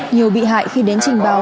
nhiều bị hại khi đến trình báo